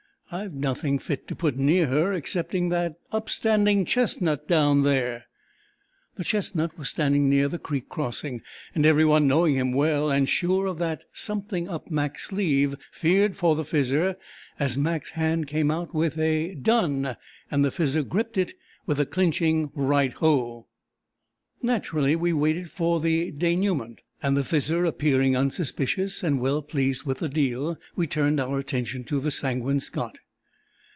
I've nothing fit to put near her excepting that upstanding chestnut down there." The chestnut was standing near the creek crossing, and every one knowing him well, and sure of that "something" up Mac's sleeve, feared for the Fizzer as Mac's hand came out with a "Done!" and the Fizzer gripped it with a clinching "Right ho!" Naturally we waited for the denouement, and the Fizzer appearing unsuspicious and well pleased with the deal, we turned our attention to the Sanguine Scot.